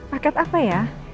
paket apa ya